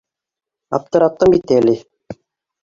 Аптыраттың бит әле...